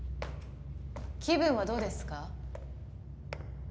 気分はどうですか？